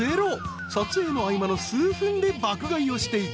［撮影の合間の数分で爆買いをしていた］